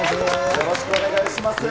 よろしくお願いします。